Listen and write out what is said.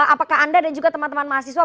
apakah anda dan juga teman teman mahasiswa